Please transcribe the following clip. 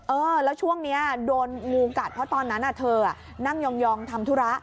เออแล้วช่วงนี้โดนงูกัดเพราะตอนนั้นเธอนั่งยองทำธุระ